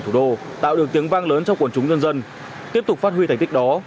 thủ đô tạo được tiếng vang lớn cho quần chúng nhân dân tiếp tục phát huy thành tích đó